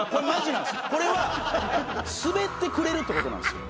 これはスベってくれるって事なんですよ。